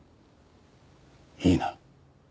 いいな？